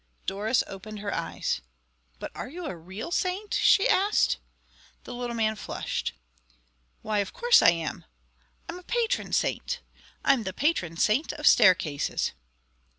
Doris opened her eyes. "But are you a real saint?" she asked. The little man flushed. "Why, of course I am. I'm a patron saint. I'm the patron saint of staircases."